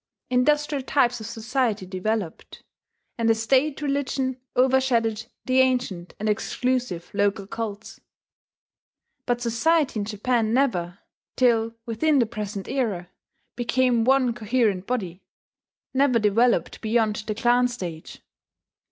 Industrial types of society developed; and a state religion overshadowed the ancient and exclusive local cults. But society in Japan never, till within the present era, became one coherent body, never developed beyond the clan stage.